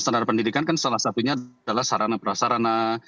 delapan standar pendidikan kan salah satunya adalah sarana perasarana